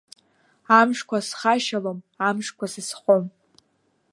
Амшқәа схашьалом, амшқәа сызхом.